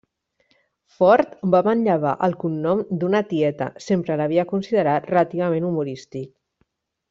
Ford va manllevar el cognom d'una tieta -sempre l'havia considerat relativament humorístic.